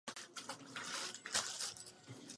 Exponáty poskytují kromě Louvru i další francouzská muzea.